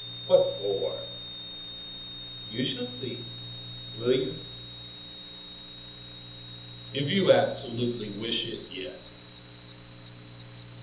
"What for?" "You shall see. Will you?" "If you absolutely wish it, yes."